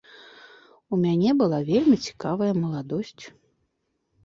У мяне была вельмі цікавая маладосць.